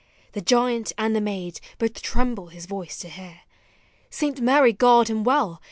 The giant and (he maid both tremble his voice to hear. Saint Mary guard him well!